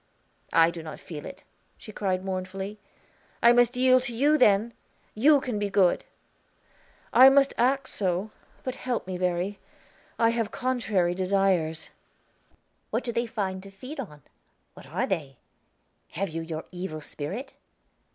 "I do not feel it," she cried mournfully. "I must yield to you then. You can be good.' "I must act so; but help me, Verry; I have contrary desires." "What do they find to feed on? What are they? Have you your evil spirit?"